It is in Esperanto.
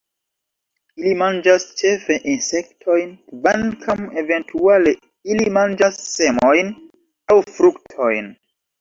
Ili manĝas ĉefe insektojn, kvankam eventuale ili manĝas semojn aŭ fruktojn.